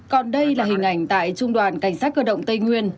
còn đây là hình ảnh tại trung đoàn cảnh sát cơ động tây nguyên